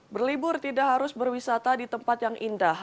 berlibur tidak harus berwisata di tempat yang indah